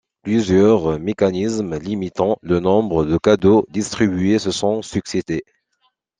Plusieurs mécanismes limitant le nombre de cadeaux distribués se sont succédé.